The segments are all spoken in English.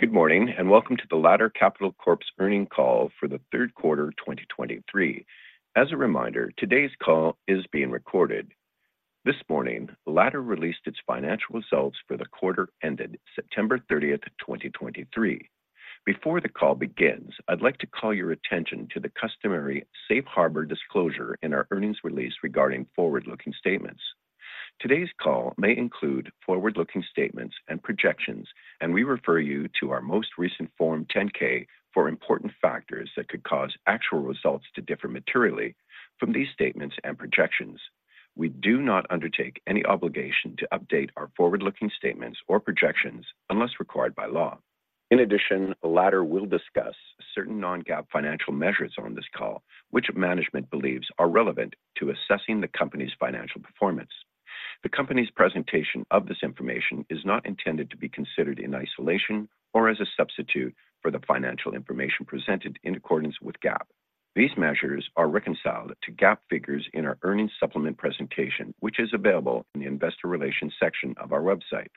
Good morning, and welcome to the Ladder Capital Corp's earnings call for the third quarter 2023. As a reminder, today's call is being recorded. This morning, Ladder released its financial results for the quarter ended September 30, 2023. Before the call begins, I'd like to call your attention to the customary safe harbor disclosure in our earnings release regarding forward-looking statements. Today's call may include forward-looking statements and projections, and we refer you to our most recent Form 10-K for important factors that could cause actual results to differ materially from these statements and projections. We do not undertake any obligation to update our forward-looking statements or projections unless required by law. In addition, Ladder will discuss certain non-GAAP financial measures on this call, which management believes are relevant to assessing the company's financial performance. The company's presentation of this information is not intended to be considered in isolation or as a substitute for the financial information presented in accordance with GAAP. These measures are reconciled to GAAP figures in our earnings supplement presentation, which is available in the investor relations section of our website.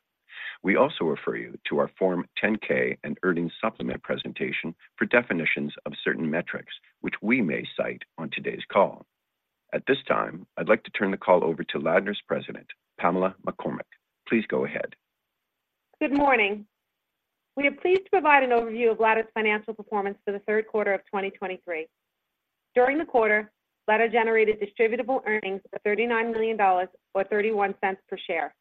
We also refer you to our Form 10-K and earnings supplement presentation for definitions of certain metrics, which we may cite on today's call. At this time, I'd like to turn the call over to Ladder's president, Pamela McCormack. Please go ahead. Good morning. We are pleased to provide an overview of Ladder's financial performance for the third quarter of 2023. During the quarter, Ladder generated distributable earnings of $39 million, or $0.31 per share.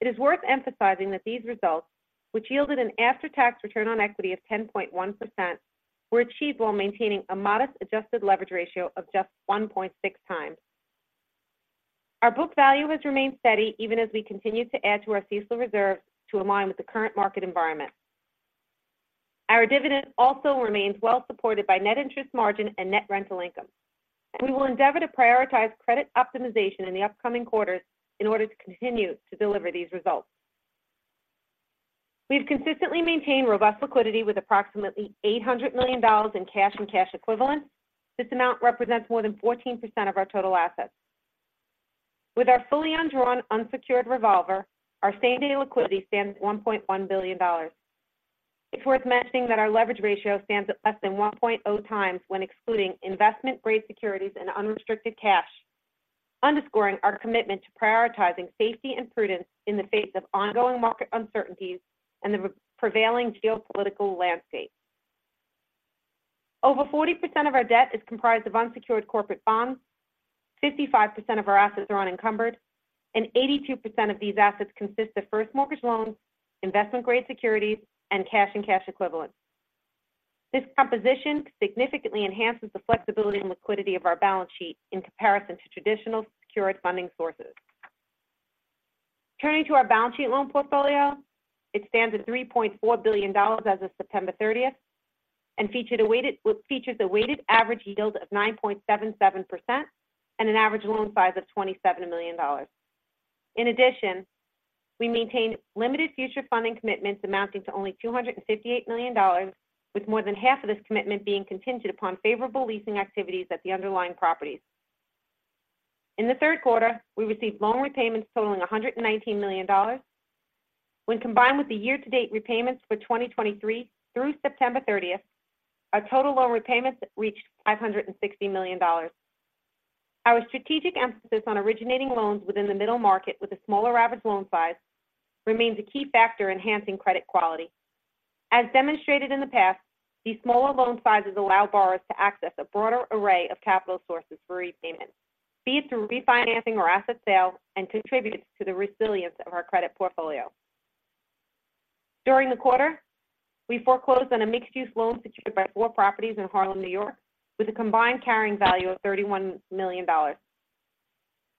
It is worth emphasizing that these results, which yielded an after-tax return on equity of 10.1%, were achieved while maintaining a modest adjusted leverage ratio of just 1.6x. Our book value has remained steady, even as we continue to add to our CECL reserve to align with the current market environment. Our dividend also remains well supported by net interest margin and net rental income. We will endeavor to prioritize credit optimization in the upcoming quarters in order to continue to deliver these results. We've consistently maintained robust liquidity with approximately $800 million in cash and cash equivalents. This amount represents more than 14% of our total assets. With our fully undrawn unsecured revolver, our same-day liquidity stands at $1.1 billion. It's worth mentioning that our leverage ratio stands at less than 1.0x when excluding investment-grade securities and unrestricted cash, underscoring our commitment to prioritizing safety and prudence in the face of ongoing market uncertainties and the prevailing geopolitical landscape. Over 40% of our debt is comprised of unsecured corporate bonds, 55% of our assets are unencumbered, and 82% of these assets consist of first mortgage loans, investment-grade securities, and cash and cash equivalents. This composition significantly enhances the flexibility and liquidity of our balance sheet in comparison to traditional secured funding sources. Turning to our balance sheet loan portfolio, it stands at $3.4 billion as of September 30th and features a weighted average yield of 9.77% and an average loan size of $27 million. In addition, we maintain limited future funding commitments amounting to only $258 million, with more than half of this commitment being contingent upon favorable leasing activities at the underlying properties. In the third quarter, we received loan repayments totaling $119 million. When combined with the year-to-date repayments for 2023 through September 30th, our total loan repayments reached $560 million. Our strategic emphasis on originating loans within the middle market with a smaller average loan size remains a key factor enhancing credit quality. As demonstrated in the past, these smaller loan sizes allow borrowers to access a broader array of capital sources for repayment, be it through refinancing or asset sale, and contributes to the resilience of our credit portfolio. During the quarter, we foreclosed on a mixed-use loan secured by four properties in Harlem, New York, with a combined carrying value of $31 million.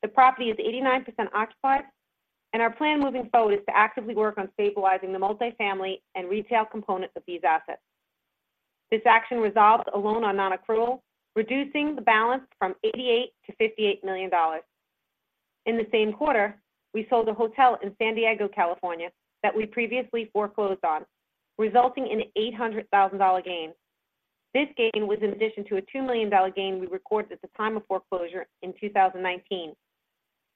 The property is 89% occupied, and our plan moving forward is to actively work on stabilizing the multifamily and retail components of these assets. This action resolved a loan on nonaccrual, reducing the balance from $88 million to $58 million. In the same quarter, we sold a hotel in San Diego, California, that we previously foreclosed on, resulting in $800,000 gain. This gain was in addition to a $2 million gain we recorded at the time of foreclosure in 2019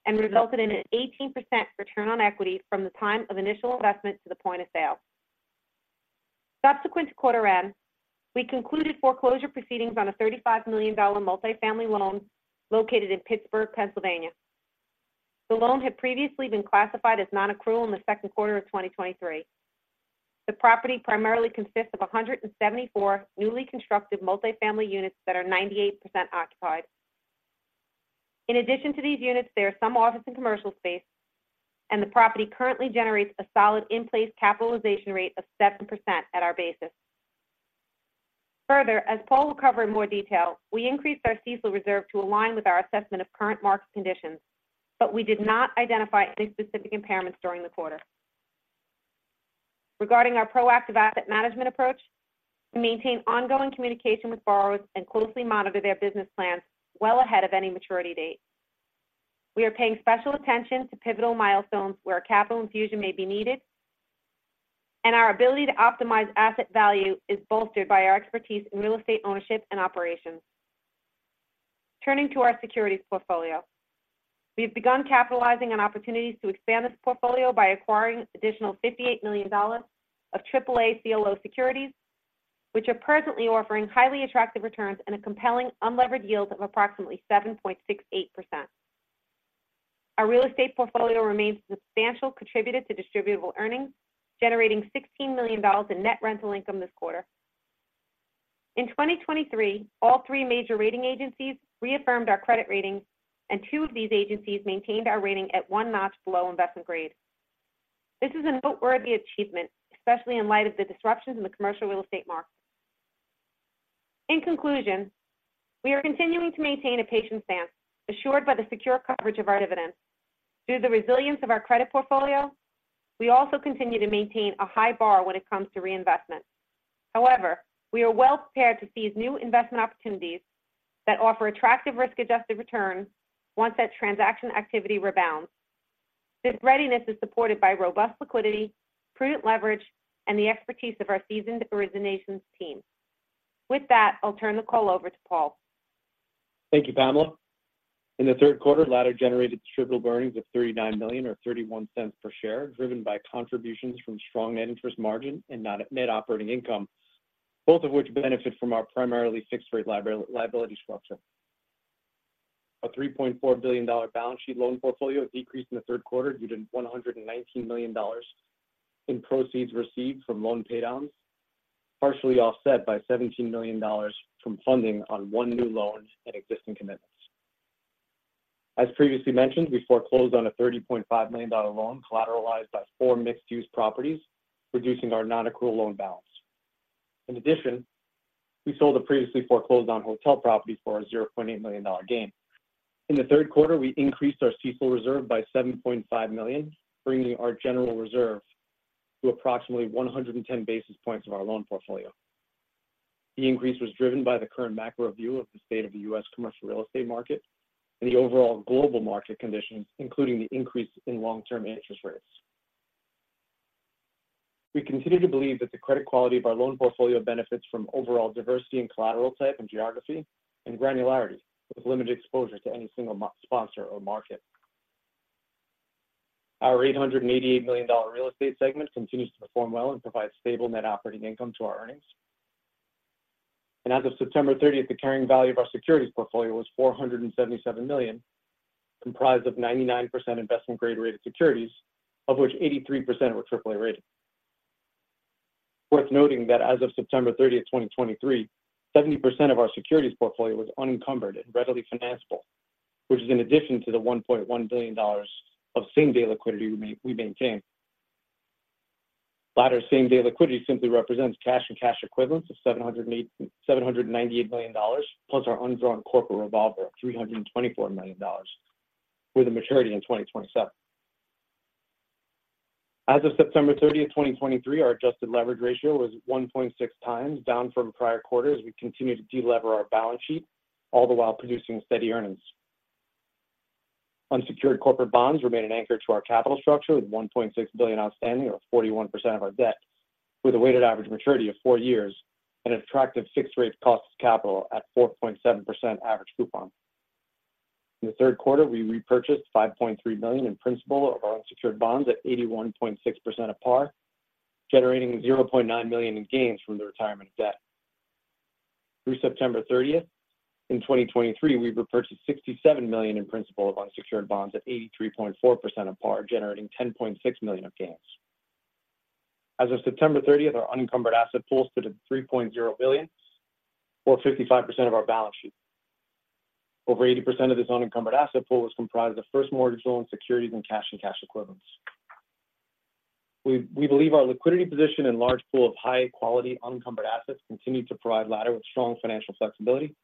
and resulted in an 18% return on equity from the time of initial investment to the point of sale. Subsequent to quarter end, we concluded foreclosure proceedings on a $35 million multifamily loan located in Pittsburgh, Pennsylvania. The loan had previously been classified as nonaccrual in the second quarter of 2023. The property primarily consists of 174 newly constructed multifamily units that are 98% occupied. In addition to these units, there are some office and commercial space, and the property currently generates a solid in-place capitalization rate of 7% at our basis. Further, as Paul will cover in more detail, we increased our CECL reserve to align with our assessment of current market conditions, but we did not identify any specific impairments during the quarter. Regarding our proactive asset management approach, we maintain ongoing communication with borrowers and closely monitor their business plans well ahead of any maturity date. We are paying special attention to pivotal milestones where a capital infusion may be needed, and our ability to optimize asset value is bolstered by our expertise in real estate ownership and operations.... Turning to our securities portfolio. We've begun capitalizing on opportunities to expand this portfolio by acquiring additional $58 million of AAA CLO securities, which are presently offering highly attractive returns and a compelling unlevered yield of approximately 7.68%. Our real estate portfolio remains substantial, contributed to distributable earnings, generating $16 million in net rental income this quarter. In 2023, all three major rating agencies reaffirmed our credit rating, and two of these agencies maintained our rating at one notch below investment grade. This is a noteworthy achievement, especially in light of the disruptions in the commercial real estate market. In conclusion, we are continuing to maintain a patient stance, assured by the secure coverage of our dividends. Through the resilience of our credit portfolio, we also continue to maintain a high bar when it comes to reinvestment. However, we are well prepared to seize new investment opportunities that offer attractive risk-adjusted returns once that transaction activity rebounds. This readiness is supported by robust liquidity, prudent leverage, and the expertise of our seasoned originations team. With that, I'll turn the call over to Paul. Thank you, Pamela. In the third quarter, Ladder generated distributable earnings of $39 million or $0.31 per share, driven by contributions from strong net interest margin and NOI net operating income, both of which benefit from our primarily fixed-rate liability structure. Our $3.4 billion balance sheet loan portfolio decreased in the third quarter due to $119 million in proceeds received from loan paydowns, partially offset by $17 million from funding on one new loan and existing commitments. As previously mentioned, we foreclosed on a $30.5 million loan collateralized by four mixed-use properties, reducing our non-accrual loan balance. In addition, we sold a previously foreclosed-on hotel property for a $0.8 million gain. In the third quarter, we increased our CECL reserve by $7.5 million, bringing our general reserve to approximately 110 basis points of our loan portfolio. The increase was driven by the current macro view of the state of the U.S. commercial real estate market and the overall global market conditions, including the increase in long-term interest rates. We continue to believe that the credit quality of our loan portfolio benefits from overall diversity in collateral type and geography and granularity, with limited exposure to any single sponsor or market. Our $888 million real estate segment continues to perform well and provide stable net operating income to our earnings. As of September 30, the carrying value of our securities portfolio was $477 million, comprised of 99% investment-grade-rated securities, of which 83% were AAA rated. Worth noting that as of September 30, 2023, 70% of our securities portfolio was unencumbered and readily financeable, which is in addition to the $1.1 billion of same-day liquidity we maintain. Ladder's same-day liquidity simply represents cash and cash equivalents of $798 million, plus our undrawn corporate revolver of $324 million, with a maturity in 2027. As of September 30, 2023, our adjusted leverage ratio was 1.6x, down from prior quarters as we continue to delever our balance sheet, all the while producing steady earnings. Unsecured corporate bonds remain an anchor to our capital structure, with $1.6 billion outstanding, or 41% of our debt, with a weighted average maturity of four years and attractive fixed rates cost of capital at 4.7% average coupon. In the third quarter, we repurchased $5.3 million in principal of our unsecured bonds at 81.6% of par, generating $0.9 million in gains from the retirement debt. Through September 30th, 2023, we've repurchased $67 million in principal of unsecured bonds at 83.4% of par, generating $10.6 million of gains. As of September 30th, our unencumbered asset pool stood at $3.0 billion, or 55% of our balance sheet. Over 80% of this unencumbered asset pool was comprised of first mortgage loan securities and cash and cash equivalents. We believe our liquidity position and large pool of high-quality, unencumbered assets continue to provide Ladder with strong financial flexibility.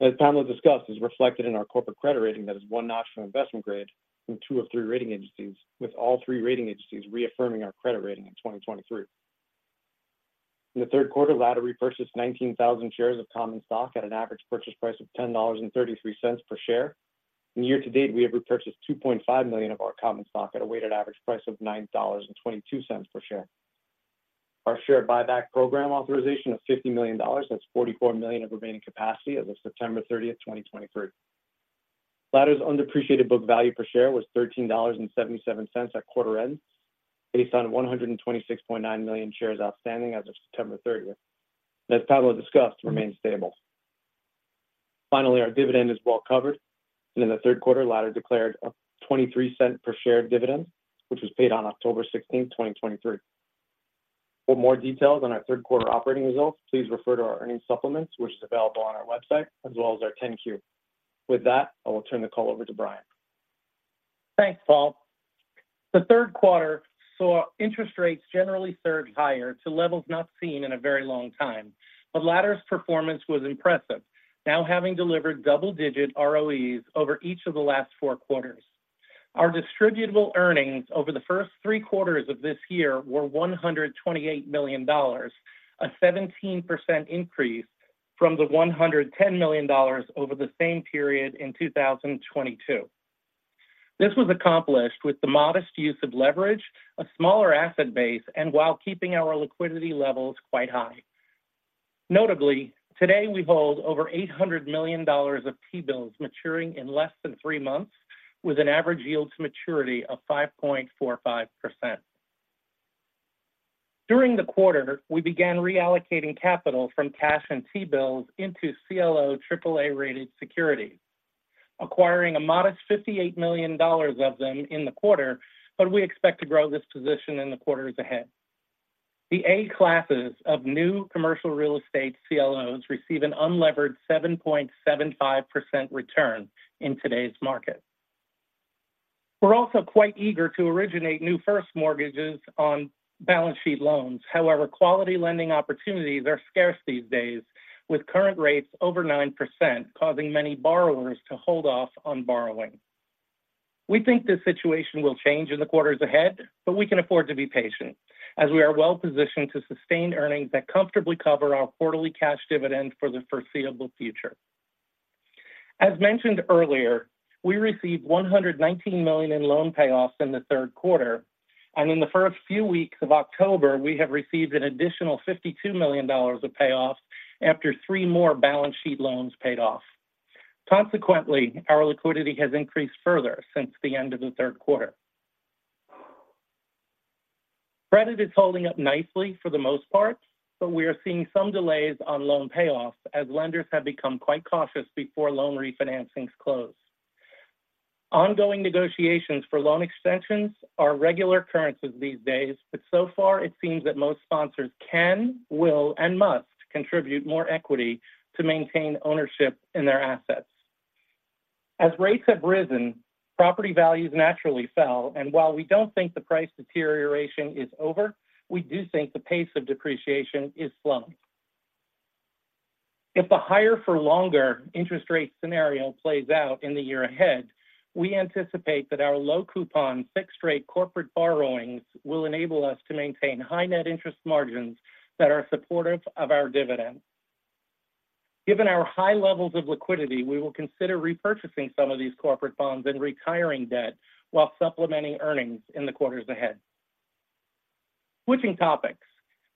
As Pamela discussed, is reflected in our corporate credit rating that is one notch from investment grade from two of three rating agencies, with all three rating agencies reaffirming our credit rating in 2023. In the third quarter, Ladder repurchased 19,000 shares of common stock at an average purchase price of $10.33 per share. Year-to-date, we have repurchased 2.5 million of our common stock at a weighted average price of $9.22 per share. Our share buyback program authorization of $50 million, that's $44 million of remaining capacity as of September 30, 2023. Ladder's undepreciated book value per share was $13.77 at quarter end, based on 126.9 million shares outstanding as of September 30, and as Pamela discussed, remains stable. Finally, our dividend is well covered, and in the third quarter, Ladder declared a $0.23 per share dividend, which was paid on October 16, 2023. For more details on our third quarter operating results, please refer to our earnings supplements, which is available on our website, as well as our 10-Q. With that, I will turn the call over to Brian. Thanks, Paul. The third quarter saw interest rates generally surge higher to levels not seen in a very long time, but Ladder's performance was impressive, now having delivered double-digit ROEs over each of the last four quarters. Our distributable earnings over the first three quarters of this year were $128 million, a 17% increase from the $110 million over the same period in 2022. ... This was accomplished with the modest use of leverage, a smaller asset base, and while keeping our liquidity levels quite high. Notably, today, we hold over $800 million of T-bills maturing in less than three months, with an average yield to maturity of 5.45%. During the quarter, we began reallocating capital from cash and T-bills into CLO AAA-rated securities, acquiring a modest $58 million of them in the quarter, but we expect to grow this position in the quarters ahead. The A classes of new commercial real estate CLOs receive an unlevered 7.75% return in today's market. We're also quite eager to originate new first mortgages on balance sheet loans. However, quality lending opportunities are scarce these days, with current rates over 9%, causing many borrowers to hold off on borrowing. We think this situation will change in the quarters ahead, but we can afford to be patient, as we are well-positioned to sustain earnings that comfortably cover our quarterly cash dividend for the foreseeable future. As mentioned earlier, we received $119 million in loan payoffs in the third quarter, and in the first few weeks of October, we have received an additional $52 million of payoffs after three more balance sheet loans paid off. Consequently, our liquidity has increased further since the end of the third quarter. Credit is holding up nicely for the most part, but we are seeing some delays on loan payoffs, as lenders have become quite cautious before loan refinancings close. Ongoing negotiations for loan extensions are regular occurrences these days, but so far it seems that most sponsors can, will, and must contribute more equity to maintain ownership in their assets. As rates have risen, property values naturally fell, and while we don't think the price deterioration is over, we do think the pace of depreciation is slowing. If the higher-for-longer interest rate scenario plays out in the year ahead, we anticipate that our low coupon, fixed-rate corporate borrowings will enable us to maintain high net interest margins that are supportive of our dividend. Given our high levels of liquidity, we will consider repurchasing some of these corporate bonds and retiring debt while supplementing earnings in the quarters ahead. Switching topics,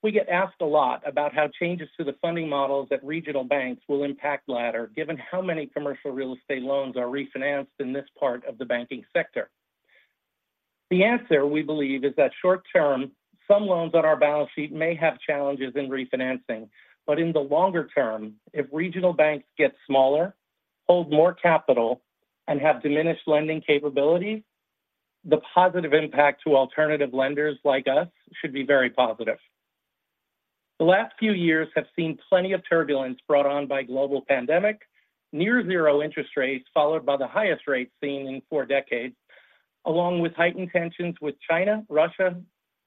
we get asked a lot about how changes to the funding models at regional banks will impact Ladder, given how many commercial real estate loans are refinanced in this part of the banking sector. The answer, we believe, is that short term, some loans on our balance sheet may have challenges in refinancing, but in the longer term, if regional banks get smaller, hold more capital, and have diminished lending capabilities, the positive impact to alternative lenders like us should be very positive. The last few years have seen plenty of turbulence brought on by global pandemic, near zero interest rates, followed by the highest rates seen in four decades, along with heightened tensions with China, Russia,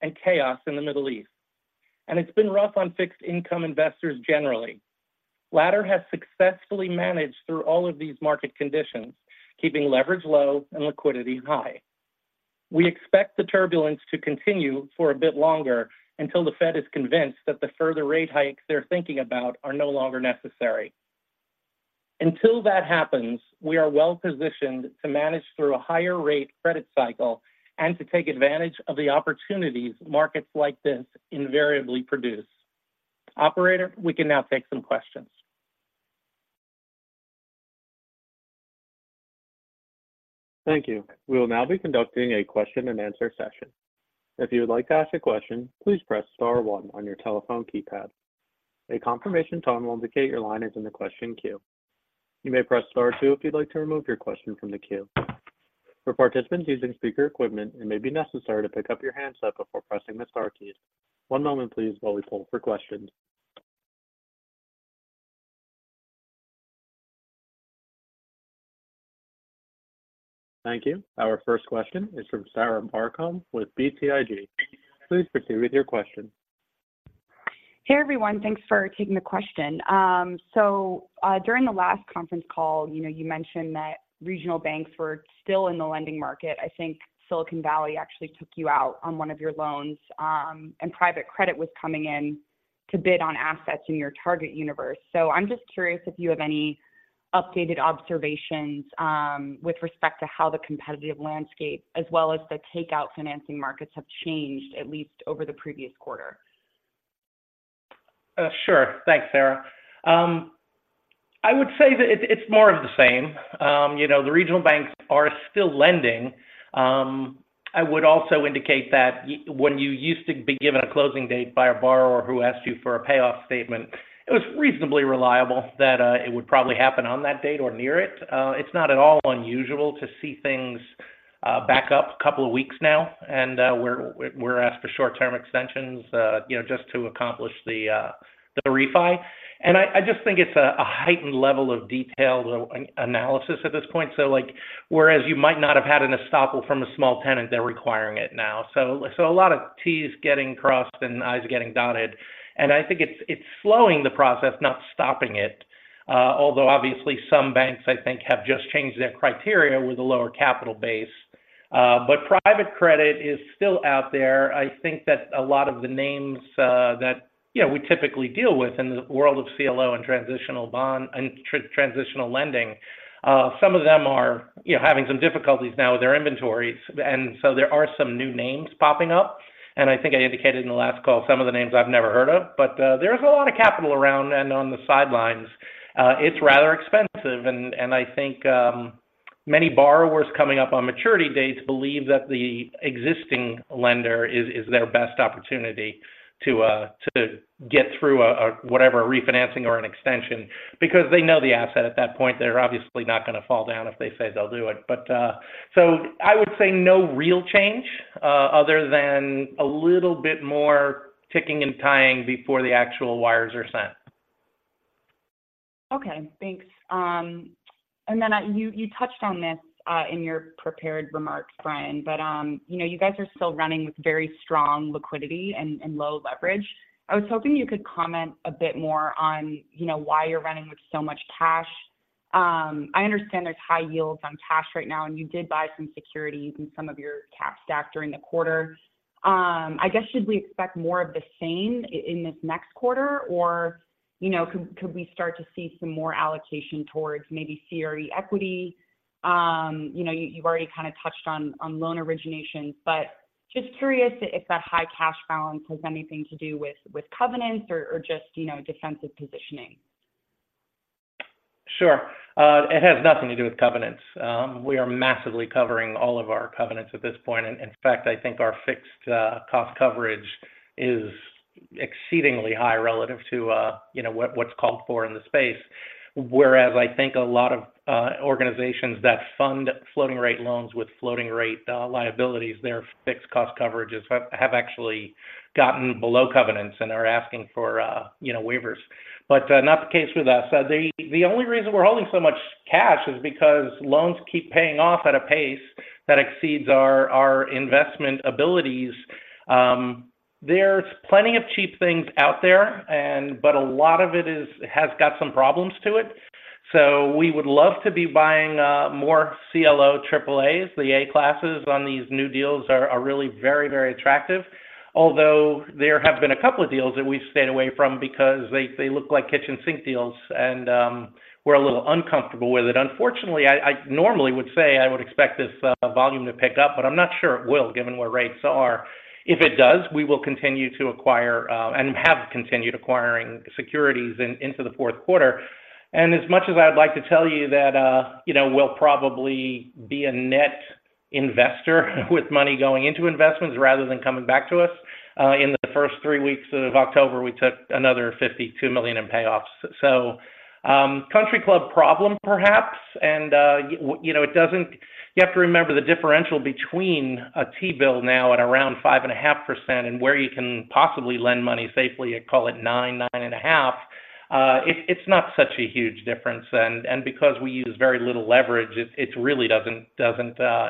and chaos in the Middle East. It's been rough on fixed income investors generally. Ladder has successfully managed through all of these market conditions, keeping leverage low and liquidity high. We expect the turbulence to continue for a bit longer until the Fed is convinced that the further rate hikes they're thinking about are no longer necessary. Until that happens, we are well-positioned to manage through a higher rate credit cycle and to take advantage of the opportunities markets like this invariably produce. Operator, we can now take some questions. Thank you. We will now be conducting a question-and-answer session. If you would like to ask a question, please press star one on your telephone keypad. A confirmation tone will indicate your line is in the question queue. You may press star two if you'd like to remove your question from the queue. For participants using speaker equipment, it may be necessary to pick up your handset before pressing the star key. One moment, please, while we poll for questions. Thank you. Our first question is from Sarah Barcomb with BTIG. Please proceed with your question. Hey, everyone. Thanks for taking the question. So, during the last conference call, you know, you mentioned that regional banks were still in the lending market. I think Silicon Valley actually took you out on one of your loans, and private credit was coming in to bid on assets in your target universe. So I'm just curious if you have any updated observations, with respect to how the competitive landscape, as well as the takeout financing markets, have changed, at least over the previous quarter? Sure. Thanks, Sarah. I would say that it's more of the same. You know, the regional banks are still lending. I would also indicate that when you used to be given a closing date by a borrower who asked you for a payoff statement, it was reasonably reliable that it would probably happen on that date or near it. It's not at all unusual to see things back up a couple of weeks now, and we're asked for short-term extensions, you know, just to accomplish the refi. And I just think it's a heightened level of detailed analysis at this point. So like, whereas you might not have had an estoppel from a small tenant, they're requiring it now. So, a lot of T's getting crossed and I's getting dotted, and I think it's slowing the process, not stopping it. Although obviously, some banks, I think, have just changed their criteria with a lower capital base. But private credit is still out there. I think that a lot of the names that, you know, we typically deal with in the world of CLO and transitional bond and transitional lending, some of them are, you know, having some difficulties now with their inventories. And so there are some new names popping up, and I think I indicated in the last call, some of the names I've never heard of. But there's a lot of capital around and on the sidelines. It's rather expensive and I think many borrowers coming up on maturity dates believe that the existing lender is their best opportunity to get through a whatever, a refinancing or an extension because they know the asset at that point. They're obviously not gonna fall down if they say they'll do it. But so I would say no real change other than a little bit more ticking and tying before the actual wires are sent. Okay, thanks. And then, you touched on this in your prepared remarks, Brian, but you know, you guys are still running with very strong liquidity and low leverage. I was hoping you could comment a bit more on, you know, why you're running with so much cash. I understand there's high yields on cash right now, and you did buy some securities in some of your cap stack during the quarter. I guess, should we expect more of the same in this next quarter, or, you know, could we start to see some more allocation towards maybe CRE equity? You know, you've already kind of touched on loan originations, but just curious if that high cash balance has anything to do with covenants or just, you know, defensive positioning? Sure. It has nothing to do with covenants. We are massively covering all of our covenants at this point. And in fact, I think our fixed cost coverage is exceedingly high relative to, you know, what, what's called for in the space. Whereas I think a lot of organizations that fund floating rate loans with floating rate liabilities, their fixed cost coverages have actually gotten below covenants and are asking for, you know, waivers. But, not the case with us. The only reason we're holding so much cash is because loans keep paying off at a pace that exceeds our investment abilities. There's plenty of cheap things out there, and but a lot of it is has got some problems to it. So we would love to be buying more CLO AAA. The A classes on these new deals are really very, very attractive. Although, there have been a couple of deals that we've stayed away from because they look like kitchen sink deals, and we're a little uncomfortable with it. Unfortunately, I normally would say I would expect this volume to pick up, but I'm not sure it will, given where rates are. If it does, we will continue to acquire, and have continued acquiring securities into the fourth quarter. And as much as I'd like to tell you that, you know, we'll probably be a net investor with money going into investments rather than coming back to us, in the first three weeks of October, we took another $52 million in payoffs. So, country club problem, perhaps, and, you know, it doesn't. You have to remember the differential between a T-bill now at around 5.5%, and where you can possibly lend money safely, I call it 9-9.5. It's not such a huge difference, and because we use very little leverage, it really doesn't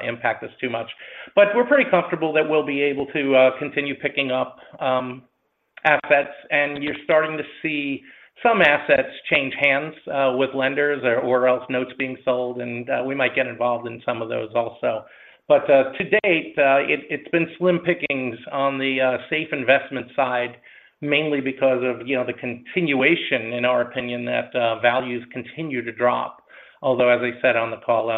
impact us too much. But we're pretty comfortable that we'll be able to continue picking up assets, and you're starting to see some assets change hands with lenders or else notes being sold, and we might get involved in some of those also. But to date, it's been slim pickings on the safe investment side, mainly because of, you know, the continuation, in our opinion, that values continue to drop. Although, as I said on the call,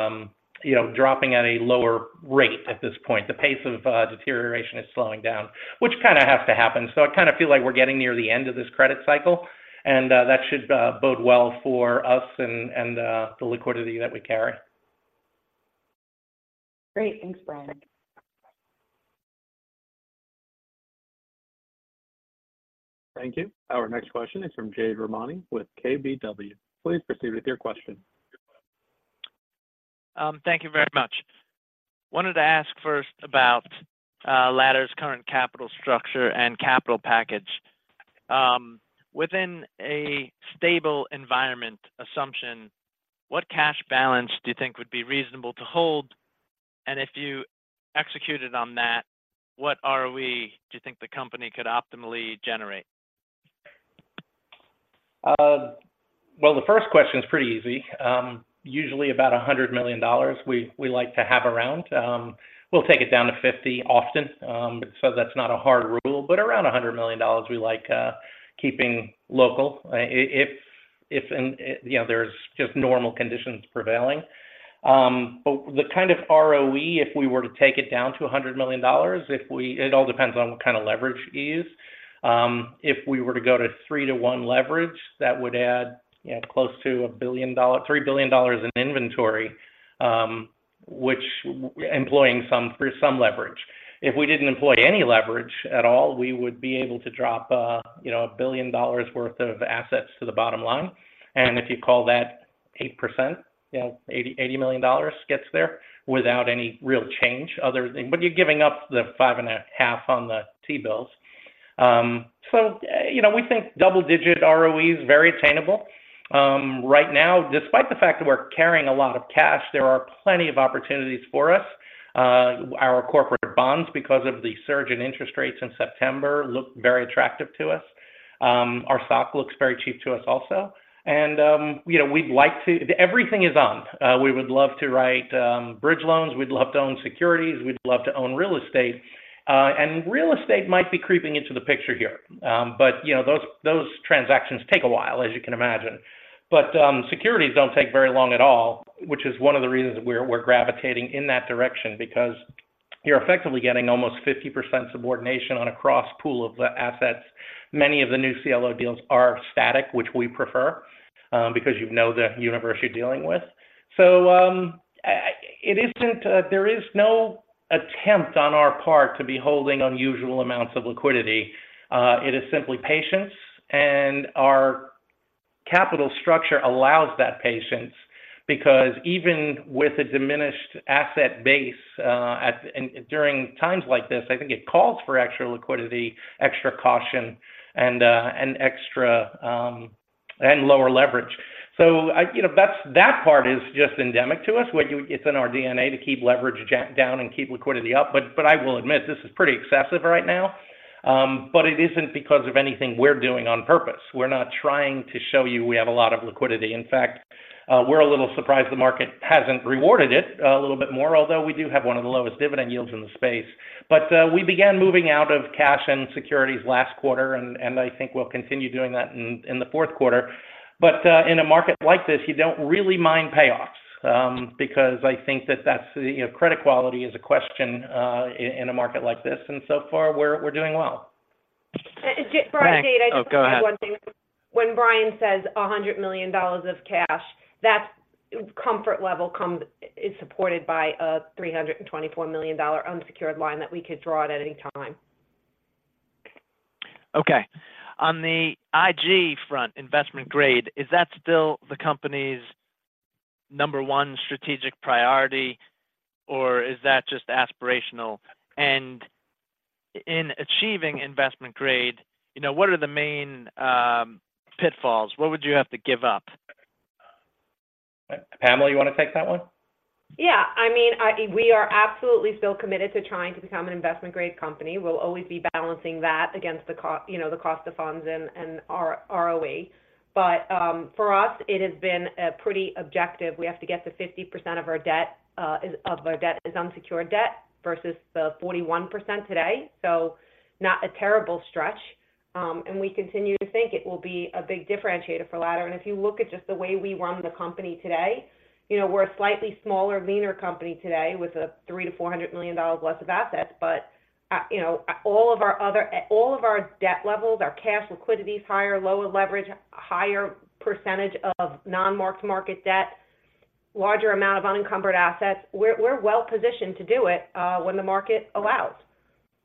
you know, dropping at a lower rate at this point. The pace of deterioration is slowing down, which kinda has to happen. So I kinda feel like we're getting near the end of this credit cycle, and that should bode well for us and the liquidity that we carry. Great. Thanks, Brian. Thank you. Our next question is from Jade Rahmani with KBW. Please proceed with your question. Thank you very much. Wanted to ask first about Ladder's current capital structure and capital package. Within a stable environment assumption, what cash balance do you think would be reasonable to hold? And if you executed on that, what ROE do you think the company could optimally generate? Well, the first question is pretty easy. Usually about $100 million, we like to have around. We'll take it down to $50 million often, so that's not a hard rule, but around $100 million, we like keeping local. If and, you know, there's just normal conditions prevailing. But the kind of ROE, if we were to take it down to $100 million, it all depends on what kind of leverage we use. If we were to go to 3-to-1 leverage, that would add, you know, close to $1 billion-$3 billion in inventory, which employing some, for some leverage. If we didn't employ any leverage at all, we would be able to drop, you know, $1 billion worth of assets to the bottom line. If you call that 8%, you know, $80 million gets there without any real change other than. But you're giving up the 5.5 on the T-bills. So, you know, we think double-digit ROE is very attainable. Right now, despite the fact that we're carrying a lot of cash, there are plenty of opportunities for us. Our corporate bonds, because of the surge in interest rates in September, look very attractive to us. Our stock looks very cheap to us also. And, you know, we'd like to everything is on. We would love to write bridge loans. We'd love to own securities. We'd love to own real estate. And real estate might be creeping into the picture here. But, you know, those transactions take a while, as you can imagine. But, securities don't take very long at all, which is one of the reasons we're gravitating in that direction. Because you're effectively getting almost 50% subordination on a cross pool of the assets. Many of the new CLO deals are static, which we prefer, because you know the universe you're dealing with. So, it isn't. There is no attempt on our part to be holding unusual amounts of liquidity. It is simply patience, and our capital structure allows that patience, because even with a diminished asset base, and during times like this, I think it calls for extra liquidity, extra caution, and lower leverage. So, you know, that's that part is just endemic to us. What you-- It's in our DNA to keep leverage jacked down and keep liquidity up, but I will admit, this is pretty excessive right now. It isn't because of anything we're doing on purpose. We're not trying to show you we have a lot of liquidity. In fact, we're a little surprised the market hasn't rewarded it a little bit more, although we do have one of the lowest dividend yields in the space. We began moving out of cash and securities last quarter, and I think we'll continue doing that in the fourth quarter. In a market like this, you don't really mind payoffs, because I think that that's the... You know, credit quality is a question, i-in a market like this, and so far, we're doing well. Brian, Jade. Go ahead. I just add one thing. When Brian says $100 million of cash, that comfort level is supported by a $324 million unsecured line that we could draw at any time. Okay. On the IG front, Investment Grade, is that still the company's number one strategic priority, or is that just aspirational? And in achieving Investment Grade, you know, what are the main pitfalls? What would you have to give up? Pamela, you want to take that one? Yeah. I mean, I, we are absolutely still committed to trying to become an investment grade company. We'll always be balancing that against the cost of funds and our ROE. But for us, it has been a pretty objective. We have to get to 50% of our debt is of our debt is unsecured debt, versus the 41% today. So not a terrible stretch. And we continue to think it will be a big differentiator for Ladder. And if you look at just the way we run the company today, you know, we're a slightly smaller, leaner company today with $300 million-$400 million less of assets. But you know, all of our debt levels, our cash liquidity is higher, lower leverage, higher percentage of non-mark-to-market debt, larger amount of unencumbered assets. We're well positioned to do it when the market allows,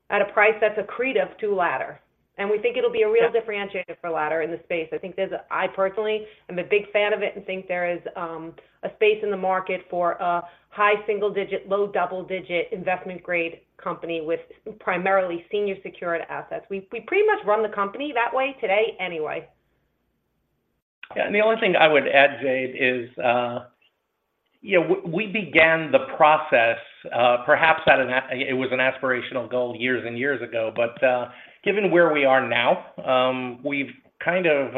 at a price that's accretive to Ladder. And we think it'll be a real differentiator for Ladder in the space. I think there's a—I personally am a big fan of it and think there is a space in the market for a high single digit, low double-digit investment grade company with primarily senior secured assets. We pretty much run the company that way today anyway. Yeah, and the only thing I would add, Jade, is, you know, we began the process, perhaps out of a, it was an aspirational goal years and years ago, but, given where we are now, we've kind of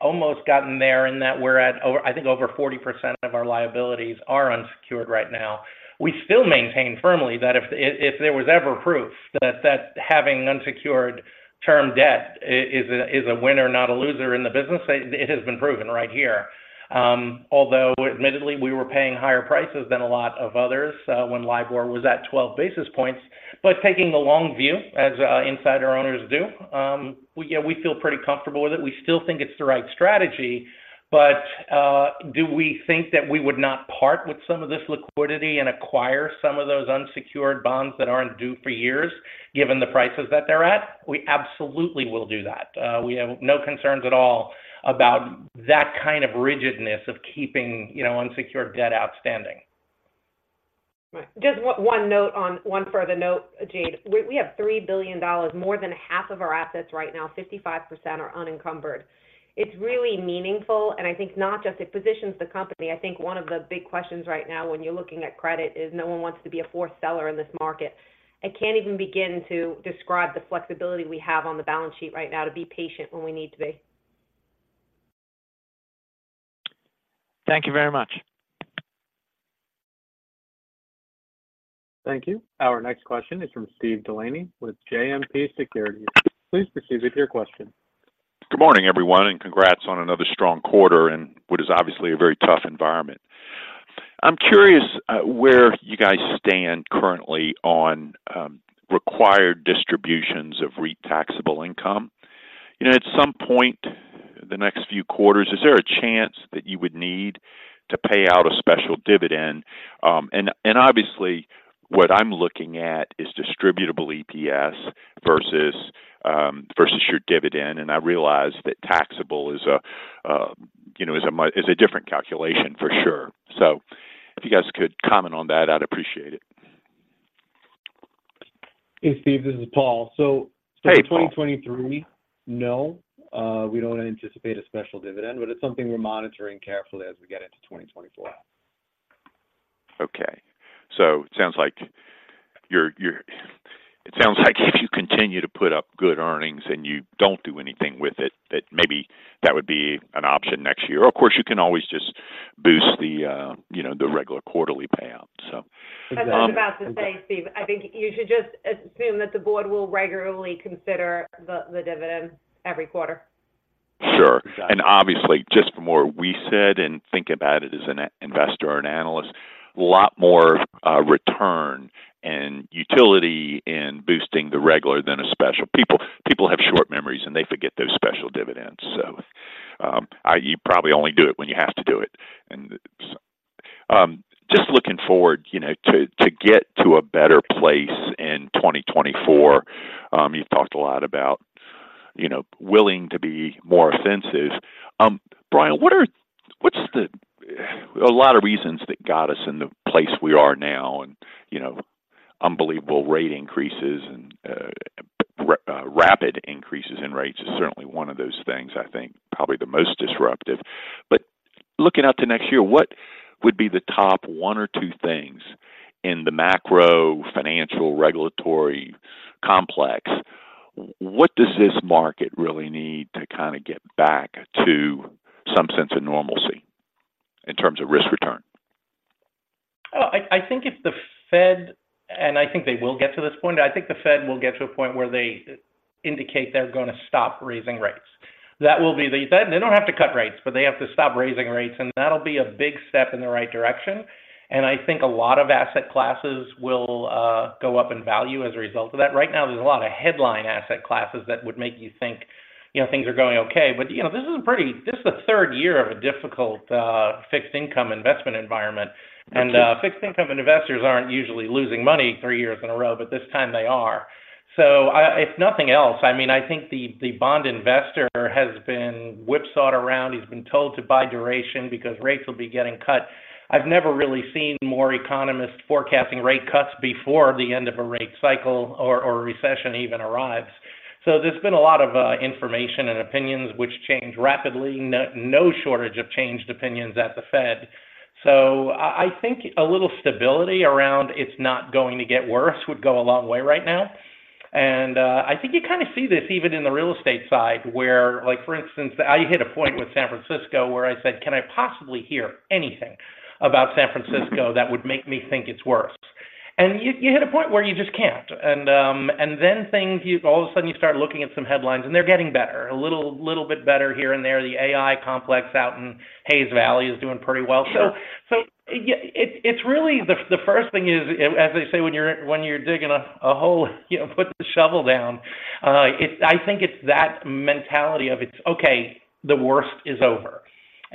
almost gotten there in that we're at over, I think over 40% of our liabilities are unsecured right now. We still maintain firmly that if there was ever proof that having unsecured term debt is a winner, not a loser in the business, it has been proven right here. Although admittedly, we were paying higher prices than a lot of others when LIBOR was at 12 basis points. But taking the long view, as insider owners do, we, yeah, we feel pretty comfortable with it. We still think it's the right strategy, but, do we think that we would not part with some of this liquidity and acquire some of those unsecured bonds that aren't due for years, given the prices that they're at? We absolutely will do that. We have no concerns at all about that kind of rigidness of keeping, you know, unsecured debt outstanding. Right. Just one further note, Jade. We have $3 billion, more than half of our assets right now, 55% are unencumbered. It's really meaningful, and I think not just it positions the company. I think one of the big questions right now when you're looking at credit is no one wants to be a forced seller in this market. I can't even begin to describe the flexibility we have on the balance sheet right now to be patient when we need to be. Thank you very much. Thank you. Our next question is from Steve Delaney with JMP Securities. Please proceed with your question. Good morning, everyone, and congrats on another strong quarter in what is obviously a very tough environment. I'm curious where you guys stand currently on required distributions of REIT taxable income. You know, at some point in the next few quarters, is there a chance that you would need to pay out a special dividend? And obviously, what I'm looking at is distributable EPS versus versus your dividend. And I realize that taxable is a you know, is a different calculation for sure. So if you guys could comment on that, I'd appreciate it. Hey, Steve, this is Paul. So- Hey, Paul. 2023, no, we don't anticipate a special dividend, but it's something we're monitoring carefully as we get into 2024. Okay, so it sounds like you're, you're- it sounds like if you continue to put up good earnings and you don't do anything with it, that maybe that would be an option next year. Of course, you can always just boost the, you know, the regular quarterly payout, so. Exactly. I was about to say, Steve, I think you should just assume that the board will regularly consider the dividend every quarter. Sure. Exactly. And obviously, just from where we sit and think about it as an investor or an analyst, a lot more return and utility in boosting the regular than a special. People have short memories, and they forget those special dividends. So you probably only do it when you have to do it. And just looking forward, you know, to get to a better place in 2024, you've talked a lot about, you know, willing to be more offensive. Brian, what's the a lot of reasons that got us in the place we are now? And you know, unbelievable rate increases and rapid increases in rates is certainly one of those things, I think probably the most disruptive. But looking out to next year, what would be the top one or two things in the macro financial regulatory complex? What does this market really need to kind of get back to some sense of normalcy in terms of risk return? Well, I think if the Fed, and I think they will get to this point, I think the Fed will get to a point where they indicate they're going to stop raising rates. That will be the-- They don't have to cut rates, but they have to stop raising rates, and that'll be a big step in the right direction. And I think a lot of asset classes will go up in value as a result of that. Right now, there's a lot of headline asset classes that would make you think, you know, things are going okay, but, you know, this is a pretty-- this is the third year of a difficult fixed income investment environment. Mm-hmm. Fixed income investors aren't usually losing money three years in a row, but this time they are. So if nothing else, I mean, I think the bond investor has been whipsawed around. He's been told to buy duration because rates will be getting cut. I've never really seen more economists forecasting rate cuts before the end of a rate cycle or recession even arrives. So there's been a lot of information and opinions which change rapidly. No shortage of changed opinions at the Fed. So I think a little stability around it's not going to get worse would go a long way right now. And, I think you kind of see this even in the real estate side, where, like, for instance, I hit a point with San Francisco where I said, "Can I possibly hear anything about San Francisco—that would make me think it's worse?" And you hit a point where you just can't. And, and then things all of a sudden you start looking at some headlines, and they're getting better, a little bit better here and there. The AI complex out in Hayes Valley is doing pretty well. Yeah. So, yeah, it's really the first thing is, as they say, when you're digging a hole, you know, put the shovel down. I think it's that mentality of it's okay, the worst is over.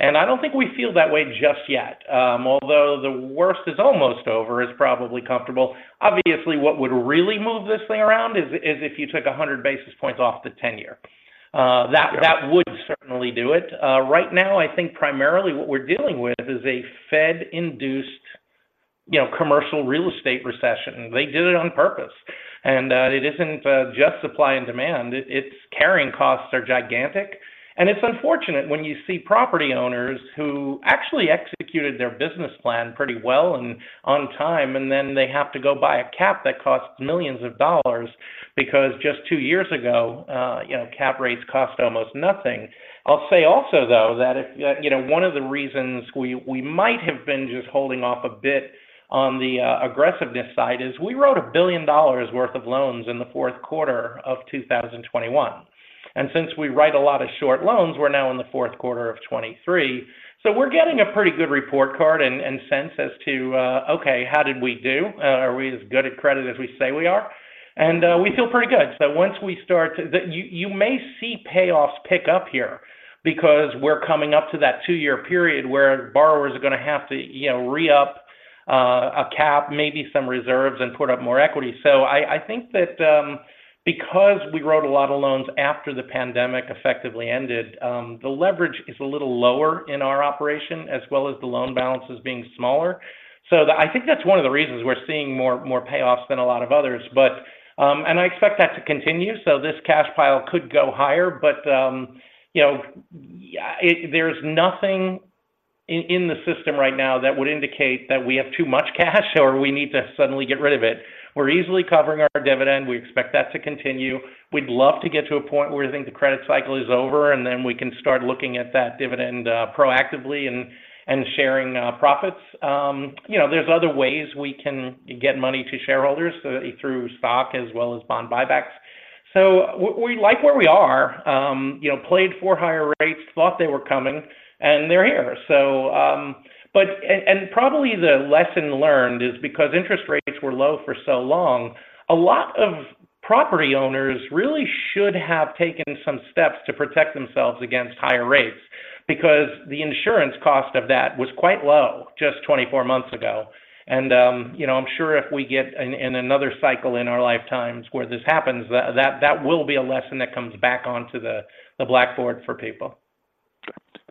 And I don't think we feel that way just yet, although the worst is almost over is probably comfortable. Obviously, what would really move this thing around is if you took 100 basis points off the 10-year. That- Yeah... that would certainly do it. Right now, I think primarily what we're dealing with is a Fed-induced, you know, commercial real estate recession. They did it on purpose, and it isn't, you know, just supply and demand. It's carrying costs are gigantic. It's unfortunate when you see property owners who actually executed their business plan pretty well and on time, and then they have to go buy a cap that costs millions of dollars because just two years ago, you know, cap rates cost almost nothing. I'll say also, though, that, you know, one of the reasons we might have been just holding off a bit on the aggressiveness side is we wrote $1 billion worth of loans in the fourth quarter of 2021. And since we write a lot of short loans, we're now in the fourth quarter of 2023. So we're getting a pretty good report card and sense as to okay, how did we do? Are we as good at credit as we say we are? And we feel pretty good. So once we start to... You may see payoffs pick up here because we're coming up to that 2-year period where borrowers are gonna have to, you know, re-up a cap, maybe some reserves, and put up more equity. So I think that because we wrote a lot of loans after the pandemic effectively ended, the leverage is a little lower in our operation, as well as the loan balances being smaller. So I think that's one of the reasons we're seeing more payoffs than a lot of others. I expect that to continue, so this cash pile could go higher, but, you know, yeah, there's nothing in the system right now that would indicate that we have too much cash or we need to suddenly get rid of it. We're easily covering our dividend. We expect that to continue. We'd love to get to a point where I think the credit cycle is over, and then we can start looking at that dividend proactively and sharing profits. You know, there's other ways we can get money to shareholders through stock as well as bond buybacks. So we like where we are. You know, played for higher rates, thought they were coming, and they're here. So, but... And probably the lesson learned is because interest rates were low for so long, a lot of property owners really should have taken some steps to protect themselves against higher rates because the insurance cost of that was quite low just 24 months ago. And, you know, I'm sure if we get in another cycle in our lifetimes where this happens, that will be a lesson that comes back onto the blackboard for people.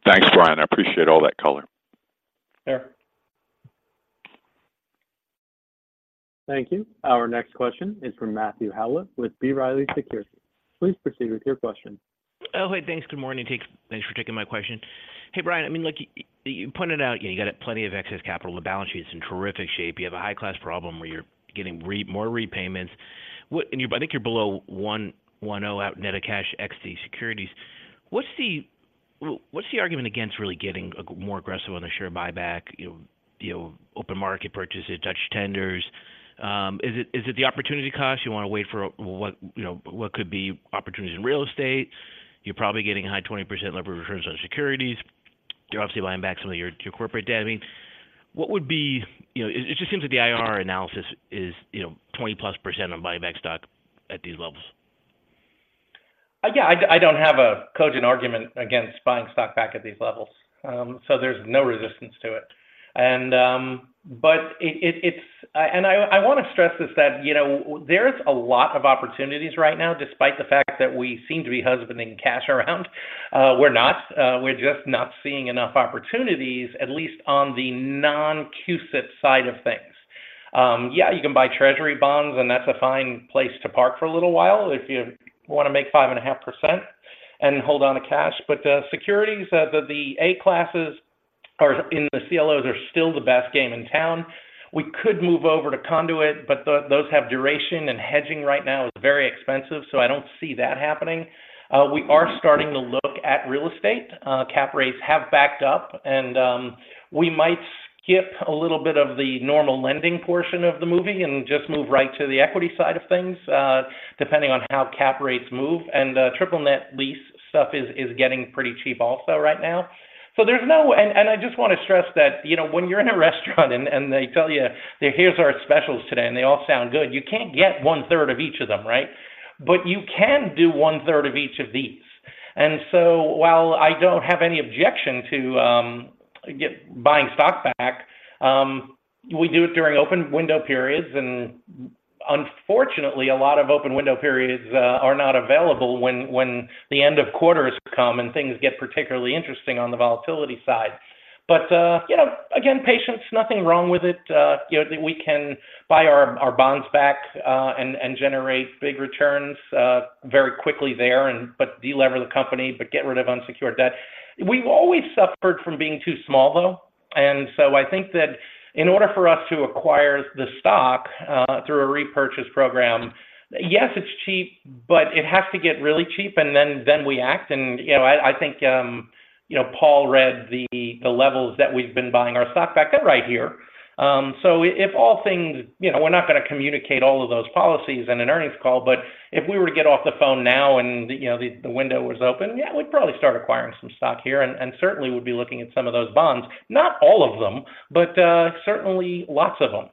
Thanks, Brian. I appreciate all that color. Sure.... Thank you. Our next question is from Matthew Howlett with B. Riley Securities. Please proceed with your question. Oh, hey, thanks. Good morning, thanks for taking my question. Hey, Brian, I mean, look, you pointed out, you know, you got plenty of excess capital. The balance sheet is in terrific shape. You have a high-class problem where you're getting more repayments. And you're, I think you're below 1.10x net of cash, ex securities. What's the, what's the argument against really getting more aggressive on the share buyback, you know, you know, open market purchases, Dutch tenders? Is it the opportunity cost you wanna wait for what, you know, what could be opportunities in real estate? You're probably getting a high 20% leverage returns on securities. You're obviously buying back some of your, your corporate debt. I mean, what would be... You know, it just seems like the IR analysis is, you know, 20%+ on buyback stock at these levels. Yeah, I don't have a cogent argument against buying stock back at these levels, so there's no resistance to it. But it's, and I wanna stress this, that you know, there's a lot of opportunities right now, despite the fact that we seem to be husbanding cash around. We're not, we're just not seeing enough opportunities, at least on the non-CUSIP side of things. Yeah, you can buy treasury bonds, and that's a fine place to park for a little while if you wanna make 5.5% and hold on to cash. But securities, the A classes in the CLOs are still the best game in town. We could move over to Conduit, but those have duration, and hedging right now is very expensive, so I don't see that happening. We are starting to look at real estate. Cap rates have backed up, and we might skip a little bit of the normal lending portion of the movie and just move right to the equity side of things, depending on how cap rates move. And triple net lease stuff is getting pretty cheap also right now. And I just wanna stress that, you know, when you're in a restaurant and they tell you, "Here's our specials today," and they all sound good, you can't get 1/3 of each of them, right? But you can do 1/3 of each of these. And so while I don't have any objection to buying stock back, we do it during open window periods, and unfortunately, a lot of open window periods are not available when the end of quarters come and things get particularly interesting on the volatility side. But you know, again, patience, nothing wrong with it. You know, we can buy our bonds back and generate big returns very quickly there and but de-lever the company, but get rid of unsecured debt. We've always suffered from being too small, though. And so I think that in order for us to acquire the stock through a repurchase program, yes, it's cheap, but it has to get really cheap, and then we act. You know, I think, you know, Paul read the levels that we've been buying our stock back. They're right here. So if all things—you know, we're not gonna communicate all of those policies in an earnings call, but if we were to get off the phone now and, you know, the window was open, yeah, we'd probably start acquiring some stock here, and certainly would be looking at some of those bonds. Not all of them, but certainly lots of them.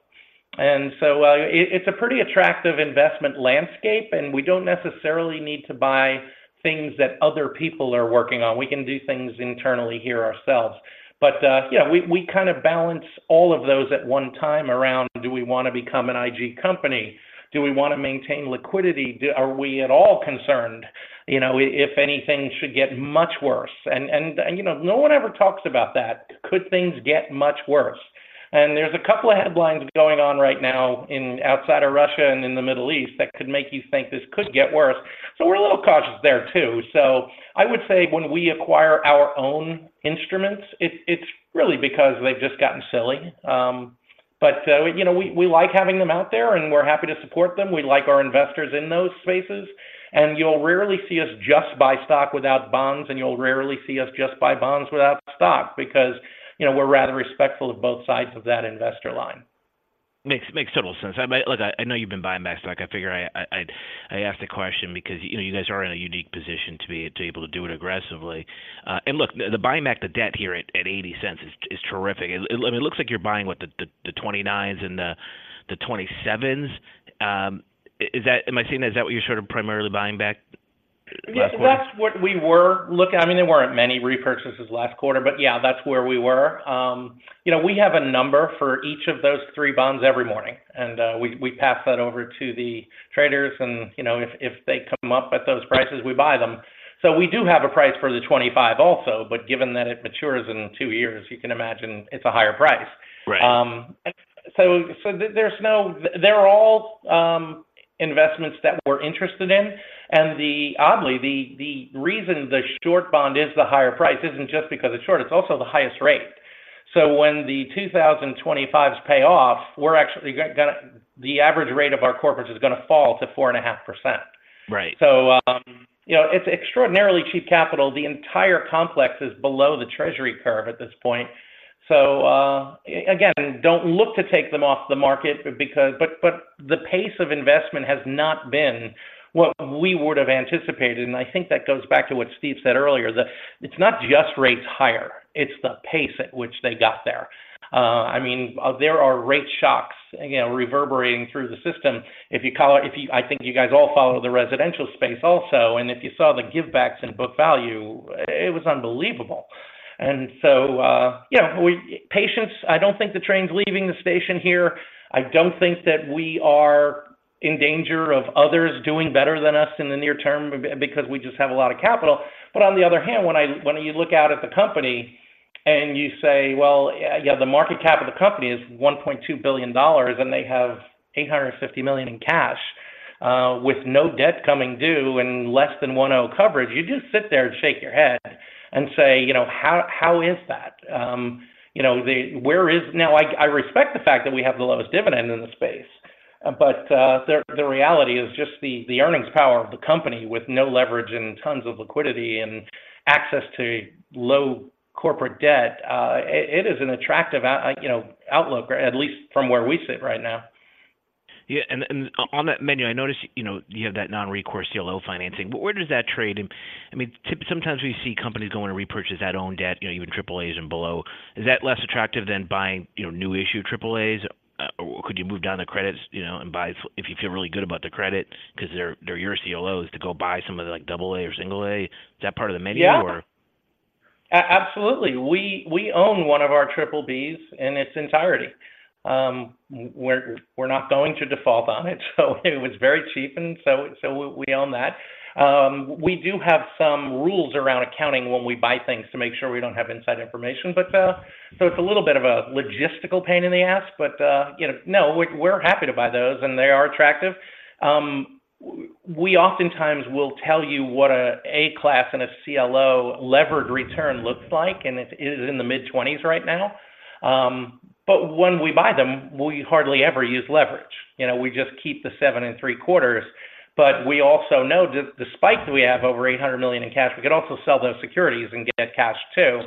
And so, it's a pretty attractive investment landscape, and we don't necessarily need to buy things that other people are working on. We can do things internally here ourselves. But yeah, we kinda balance all of those at one time around, do we wanna become an IG company? Do we wanna maintain liquidity? Are we at all concerned, you know, if anything should get much worse? And you know, no one ever talks about that. Could things get much worse? And there's a couple of headlines going on right now outside of Russia and in the Middle East that could make you think this could get worse. So we're a little cautious there, too. So I would say when we acquire our own instruments, it's really because they've just gotten silly. But you know, we like having them out there, and we're happy to support them. We like our investors in those spaces, and you'll rarely see us just buy stock without bonds, and you'll rarely see us just buy bonds without stock because you know, we're rather respectful of both sides of that investor line. Makes total sense. I might— Look, I know you've been buying back stock. I figure I asked the question because, you know, you guys are in a unique position to be able to do it aggressively. And look, the buying back the debt here at $0.80 is terrific. I mean, it looks like you're buying what? The 2029s and the 2027s. Is that— Am I saying that, is that what you're sort of primarily buying back last quarter? Yeah, that's what we were looking... I mean, there weren't many repurchases last quarter, but yeah, that's where we were. You know, we have a number for each of those three bonds every morning, and we pass that over to the traders and, you know, if they come up at those prices, we buy them. So we do have a price for the 25 also, but given that it matures in two years, you can imagine it's a higher price. Right. So there's no-- they're all investments that we're interested in. The-- oddly, the reason the short bond is the higher price isn't just because it's short, it's also the highest rate. When the 2025s pay off, we're actually gonna-- the average rate of our corporates is gonna fall to 4.5%. Right. So, you know, it's extraordinarily cheap capital. The entire complex is below the treasury curve at this point. So, again, don't look to take them off the market because... But the pace of investment has not been what we would have anticipated, and I think that goes back to what Steve said earlier, that it's not just rates higher, it's the pace at which they got there. I mean, there are rate shocks, again, reverberating through the system. If you follow, I think you guys all follow the residential space also, and if you saw the give backs in book value, it was unbelievable. And so, you know, patience, I don't think the train's leaving the station here. I don't think that we are-... In danger of others doing better than us in the near term because we just have a lot of capital. But on the other hand, when you look out at the company and you say, "Well, yeah, the market cap of the company is $1.2 billion, and they have $850 million in cash, with no debt coming due and less than 1.0 coverage," you just sit there and shake your head and say, you know, "How, how is that?" You know, where is-- Now, I respect the fact that we have the lowest dividend in the space, but the reality is just the earnings power of the company with no leverage and tons of liquidity and access to low corporate debt, it is an attractive out, like, you know, outlook, or at least from where we sit right now. Yeah, and on that menu, I noticed, you know, you have that non-recourse CLO financing. But where does that trade in? I mean, sometimes we see companies going to repurchase that own debt, you know, even triple As and below. Is that less attractive than buying, you know, new issue triple As? Or could you move down the credits, you know, and buy, if you feel really good about the credit, because they're, they're your CLOs, to go buy some of the, like, double A or single A? Is that part of the menu or? Yeah. Absolutely. We own one of our triple-Bs in its entirety. We're not going to default on it, so it was very cheap, and so we own that. We do have some rules around accounting when we buy things to make sure we don't have inside information. But so it's a little bit of a logistical pain in the ass, but you know, no, we're happy to buy those, and they are attractive. We oftentimes will tell you what an A-class and a CLO levered return looks like, and it is in the mid-20s right now. But when we buy them, we hardly ever use leverage. You know, we just keep the 7.75. But we also know that despite that we have over $800 million in cash, we could also sell those securities and get cash, too.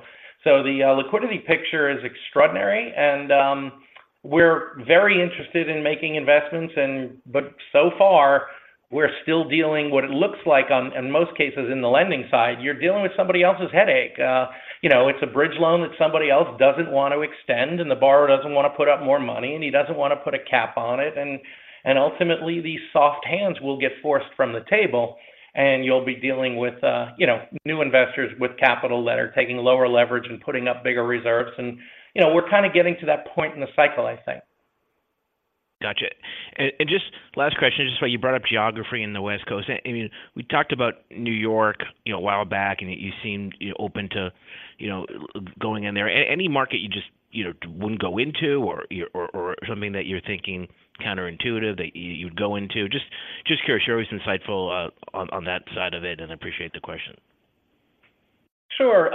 So the liquidity picture is extraordinary, and we're very interested in making investments and... But so far, we're still dealing what it looks like on, in most cases, in the lending side, you're dealing with somebody else's headache. You know, it's a bridge loan that somebody else doesn't want to extend, and the borrower doesn't want to put up more money, and he doesn't want to put a cap on it. And ultimately, these soft hands will get forced from the table, and you'll be dealing with you know, new investors with capital that are taking lower leverage and putting up bigger reserves. And you know, we're kind of getting to that point in the cycle, I think. Gotcha. And just last question, just where you brought up geography in the West Coast. I mean, we talked about New York, you know, a while back, and you seemed, you know, open to, you know, going in there. Any market you just, you know, wouldn't go into or, or something that you're thinking counterintuitive, that you, you'd go into? Just curious. You're always insightful, uh, on, on that side of it, and I appreciate the question. Sure.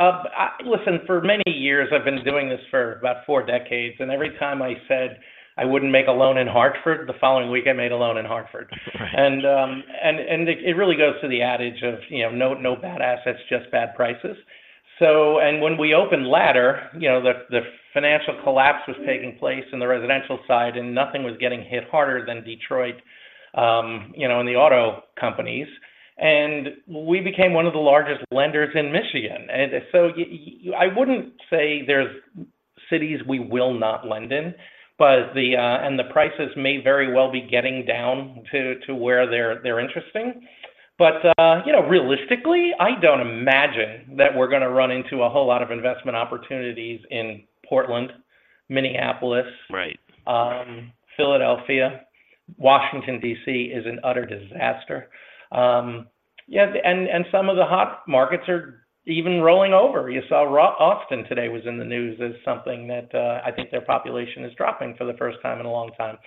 Listen, for many years, I've been doing this for about four decades, and every time I said I wouldn't make a loan in Hartford, the following week I made a loan in Hartford. Right. And it really goes to the adage of, you know, no bad assets, just bad prices. So, and when we opened Ladder, you know, the financial collapse was taking place in the residential side, and nothing was getting hit harder than Detroit, you know, in the auto companies. And we became one of the largest lenders in Michigan. And so I wouldn't say there's cities we will not lend in, but the prices may very well be getting down to where they're interesting. But, you know, realistically, I don't imagine that we're going to run into a whole lot of investment opportunities in Portland, Minneapolis- Right... Philadelphia, Washington, D.C., is an utter disaster. Yeah, and some of the hot markets are even rolling over. You saw Austin today was in the news as something that, I think their population is dropping for the first time in a long time.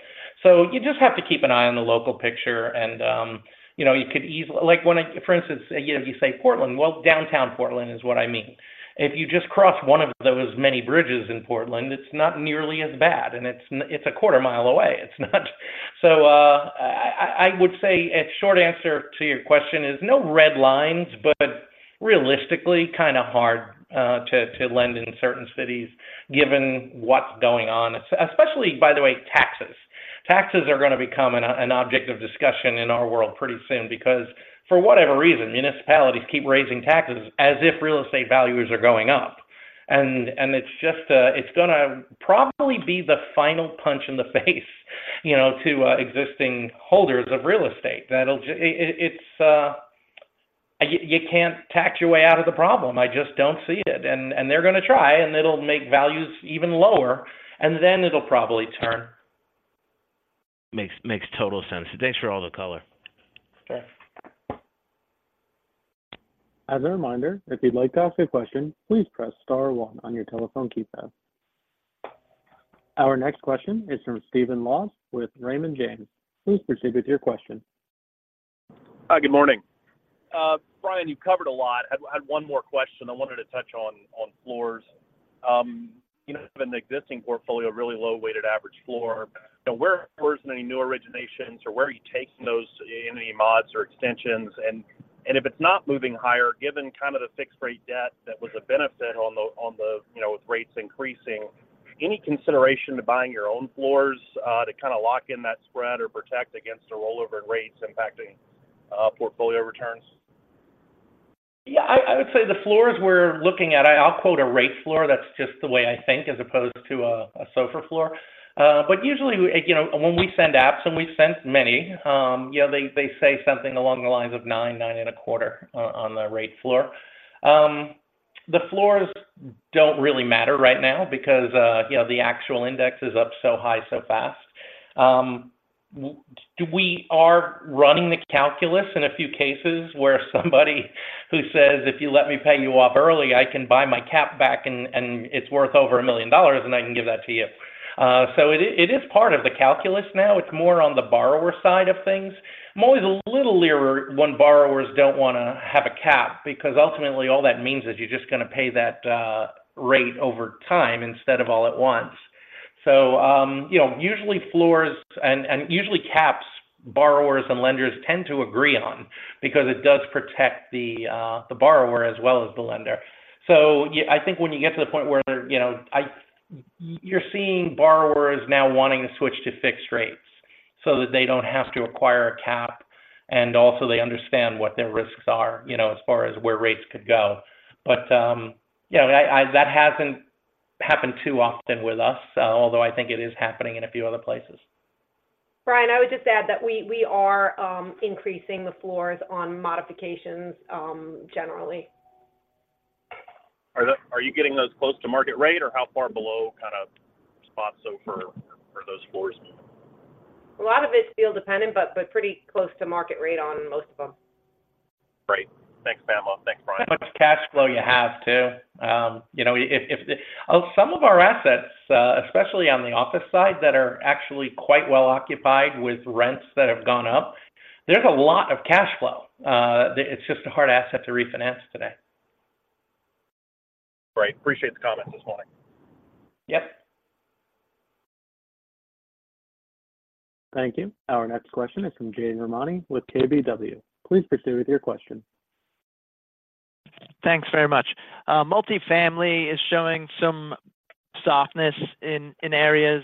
So you just have to keep an eye on the local picture and, you know, you could easily—like, for instance, you know, you say Portland. Well, downtown Portland is what I mean. If you just cross one of those many bridges in Portland, it's not nearly as bad, and it's a quarter mile away. It's not... So, I would say a short answer to your question is no red lines, but realistically, kind of hard to lend in certain cities given what's going on. Especially, by the way, taxes. Taxes are going to become an object of discussion in our world pretty soon, because for whatever reason, municipalities keep raising taxes as if real estate values are going up. And it's just, it's gonna probably be the final punch in the face, you know, to existing holders of real estate. That'll it, it's, you can't tax your way out of the problem. I just don't see it. And they're going to try, and it'll make values even lower, and then it'll probably turn. Makes total sense. Thanks for all the color. Sure. As a reminder, if you'd like to ask a question, please press star one on your telephone keypad. Our next question is from Stephen Laws with Raymond James. Please proceed with your question. Hi, good morning. Brian, you've covered a lot. I had one more question. I wanted to touch on floors. You know, in the existing portfolio, really low weighted average floor. Now, where is many new originations or where are you taking those, any mods or extensions? And if it's not moving higher, given kind of the fixed rate debt, that was a benefit on the, you know, with rates increasing, any consideration to buying your own floors, to kind of lock in that spread or protect against the rollover and rates impacting portfolio returns? Yeah, I would say the floors we're looking at, I'll quote a rate floor, that's just the way I think, as opposed to a SOFR floor. But usually, we, you know, when we send apps, and we've sent many, you know, they say something along the lines of 9, 9.25 on the rate floor. But the floors don't really matter right now because, you know, the actual index is up so high, so fast. We are running the calculus in a few cases where somebody who says, "If you let me pay you off early, I can buy my cap back, and it's worth over $1 million, and I can give that to you." So it is part of the calculus now. It's more on the borrower side of things. I'm always a little leery when borrowers don't wanna have a cap because ultimately, all that means is you're just gonna pay that rate over time instead of all at once. So, you know, usually floors and usually caps, borrowers and lenders tend to agree on because it does protect the borrower as well as the lender. So I think when you get to the point where, you know, you're seeing borrowers now wanting to switch to fixed rates so that they don't have to acquire a cap, and also they understand what their risks are, you know, as far as where rates could go. But, you know, that hasn't happened too often with us, although I think it is happening in a few other places. Brian, I would just add that we are increasing the floors on modifications, generally. Are you getting those close to market rate, or how far below kind of spot SOFR those floors? A lot of it's deal dependent, but pretty close to market rate on most of them. Great. Thanks, Pamela. Thanks, Brian. How much cash flow you have, too. You know, some of our assets, especially on the office side, that are actually quite well occupied with rents that have gone up, there's a lot of cash flow. It's just a hard asset to refinance today. Great. Appreciate the comments this morning. Yep. Thank you. Our next question is from Jade Rahmani with KBW. Please proceed with your question. Thanks very much. Multifamily is showing some softness in, in areas,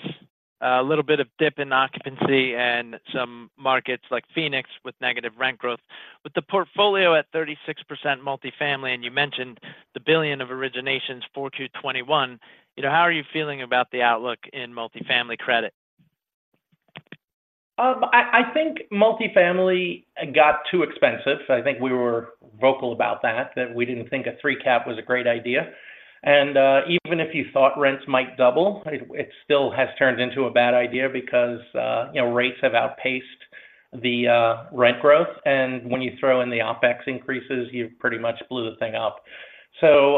a little bit of dip in occupancy and some markets like Phoenix with negative rent growth. With the portfolio at 36% multifamily, and you mentioned the $1 billion of originations for Q2 2021, you know, how are you feeling about the outlook in multifamily credit? I think multifamily got too expensive. I think we were vocal about that, that we didn't think a three cap was a great idea. And even if you thought rents might double, it still has turned into a bad idea because you know, rates have outpaced the rent growth, and when you throw in the OpEx increases, you've pretty much blew the thing up. So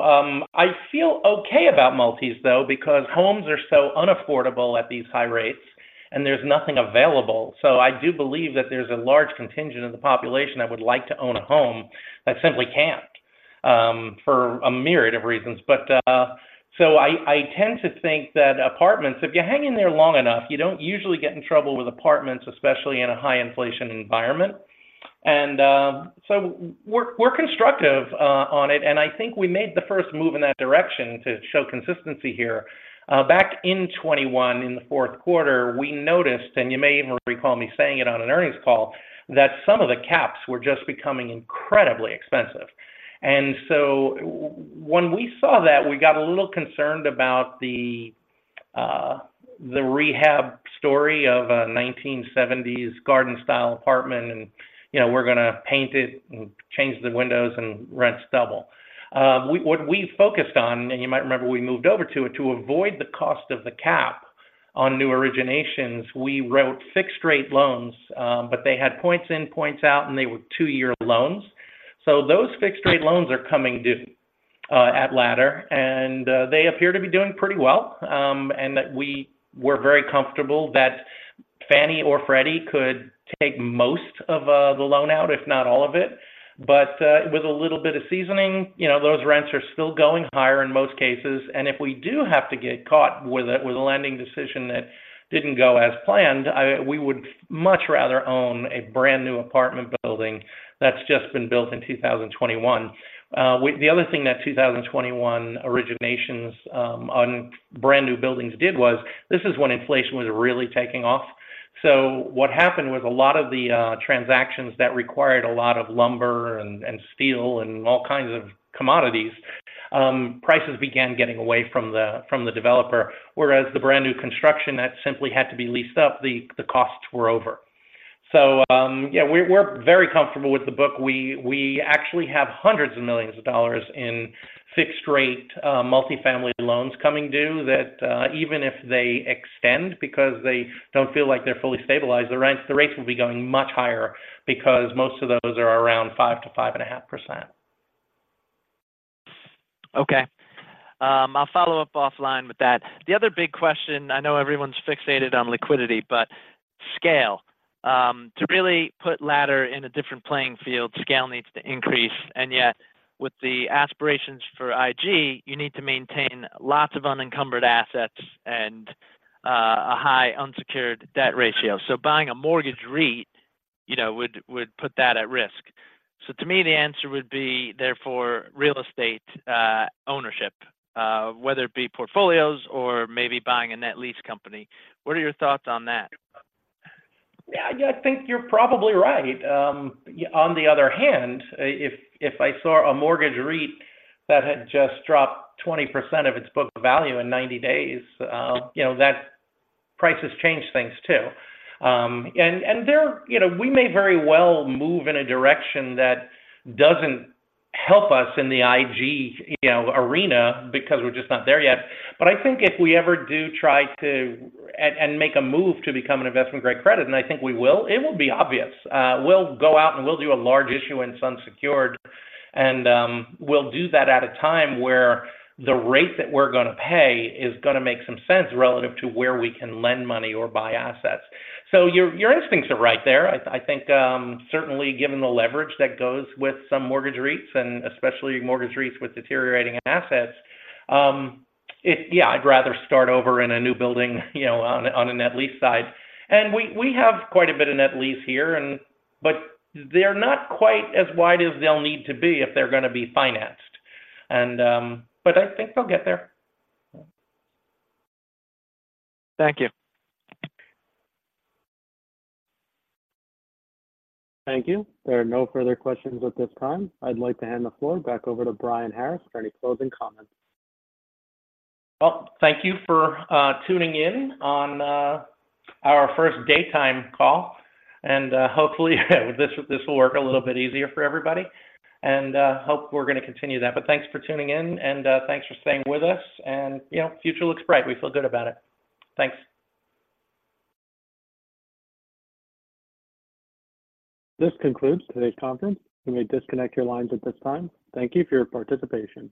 I feel okay about multis, though, because homes are so unaffordable at these high rates, and there's nothing available. So I do believe that there's a large contingent of the population that would like to own a home, that simply can't for a myriad of reasons. But so I tend to think that apartments, if you hang in there long enough, you don't usually get in trouble with apartments, especially in a high inflation environment. And, so we're constructive on it, and I think we made the first move in that direction to show consistency here. Back in 2021, in the fourth quarter, we noticed, and you may even recall me saying it on an earnings call, that some of the caps were just becoming incredibly expensive. And so when we saw that, we got a little concerned about the rehab story of a 1970s garden-style apartment, and, you know, we're gonna paint it and change the windows, and rent's double. What we focused on, and you might remember, we moved over to it, to avoid the cost of the cap on new originations, we wrote fixed-rate loans, but they had points in, points out, and they were two-year loans. So those fixed-rate loans are coming due at Ladder, and they appear to be doing pretty well, and that we were very comfortable that Fannie or Freddie could take most of the loan out, if not all of it. But with a little bit of seasoning, you know, those rents are still going higher in most cases, and if we do have to get caught with a lending decision that didn't go as planned, we would much rather own a brand-new apartment building that's just been built in 2021. The other thing that 2021 originations on brand-new buildings did was, this is when inflation was really taking off. So what happened was a lot of the transactions that required a lot of lumber and steel and all kinds of commodities, prices began getting away from the developer, whereas the brand-new construction that simply had to be leased up, the costs were over. So, yeah, we're very comfortable with the book. We actually have hundreds of millions of dollars in fixed-rate multifamily loans coming due that even if they extend because they don't feel like they're fully stabilized, the rents- the rates will be going much higher because most of those are around 5%-5.5%. Okay. I'll follow up offline with that. The other big question, I know everyone's fixated on liquidity, but scale. To really put Ladder in a different playing field, scale needs to increase, and yet with the aspirations for IG, you need to maintain lots of unencumbered assets and, a high unsecured debt ratio. So buying a mortgage REIT, you know, would put that at risk. So to me, the answer would be, therefore, real estate, ownership, whether it be portfolios or maybe buying a net lease company. What are your thoughts on that? Yeah, I think you're probably right. On the other hand, if I saw a mortgage REIT that had just dropped 20% of its book value in 90 days, you know, that price has changed things, too. You know, we may very well move in a direction that doesn't help us in the IG, you know, arena because we're just not there yet. But I think if we ever do try to make a move to become an investment-grade credit, and I think we will, it will be obvious. We'll go out, and we'll do a large issue in some secured, and we'll do that at a time where the rate that we're gonna pay is gonna make some sense relative to where we can lend money or buy assets. So your instincts are right there. I think certainly given the leverage that goes with some mortgage REITs, and especially mortgage REITs with deteriorating assets, yeah, I'd rather start over in a new building, you know, on a net lease side. And we have quite a bit of net lease here, but they're not quite as wide as they'll need to be if they're gonna be financed. But I think they'll get there. Thank you. Thank you. There are no further questions at this time. I'd like to hand the floor back over to Brian Harris for any closing comments. Well, thank you for tuning in on our first daytime call, and hopefully, this will work a little bit easier for everybody, and hope we're gonna continue that. But thanks for tuning in, and thanks for staying with us, and, you know, future looks bright. We feel good about it. Thanks. This concludes today's conference. You may disconnect your lines at this time. Thank you for your participation.